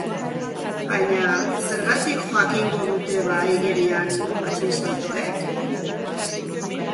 Baina, zergatik jakingo dute ba igerian, matxinsaltoek?